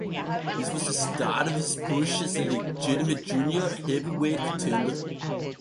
This was the start of his push as a legitimate junior heavyweight contender.